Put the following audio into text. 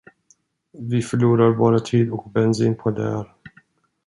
Vi förlorar bara tid och bensin på det här.